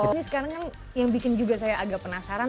ini sekarang kan yang bikin juga saya agak penasaran